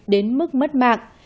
đến mức mất mạng